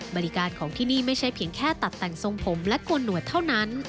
บริการของที่นี่ไม่ใช่เพียงแค่ตัดแต่งทรงผมและควรหนวดเท่านั้น